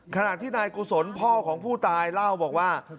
ขณะที่นายกุศลพ่อของผู้ตายเล่าบอกว่า